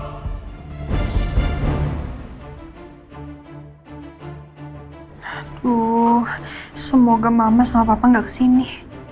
aduh semoga mama sama papa gak ke sini